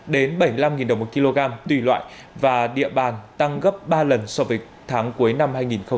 đến bảy mươi năm đồng một kg tùy loại và địa bàn tăng gấp ba lần so với tháng cuối năm hai nghìn một mươi chín